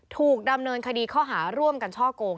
ถูกดำเนินคดีข้อหาร่วมกันช่อกง